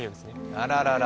あららら。